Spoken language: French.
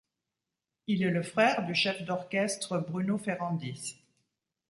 Il est le frère du chef d'orchestre Bruno Ferrandis.